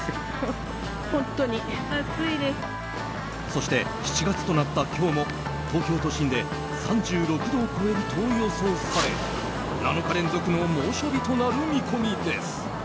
そして７月となった今日も東京都心で３６度を超えると予想され７日連続の猛暑日となる見込みです。